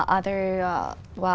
nó dựa vào